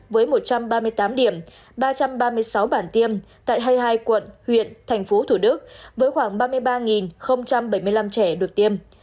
với một trăm ba mươi tám điểm ba trăm ba mươi sáu bản tiêm tại hai mươi hai quận huyện thành phố thủ đức với khoảng ba mươi ba bảy mươi năm trẻ được tiêm